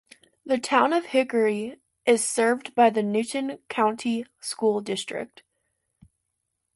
The Town of Hickory is served by the Newton County School District.